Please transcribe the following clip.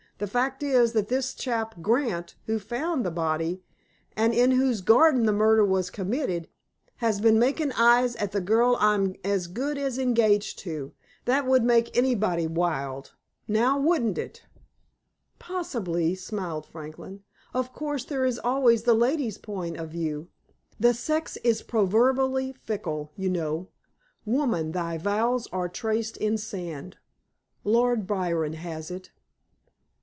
"The fact is that this chap, Grant, who found the body, and in whose garden the murder was committed, has been making eyes at the girl I'm as good as engaged to. That would make anybody wild—now, wouldn't it?" "Possibly," smiled Franklin. "Of course there is always the lady's point of view. The sex is proverbially fickle, you know. 'Woman, thy vows are traced in sand,' Lord Byron has it."